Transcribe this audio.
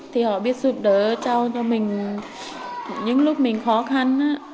thì họ biết giúp đỡ cho mình những lúc mình khó khăn á